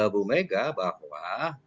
bu mega bahwa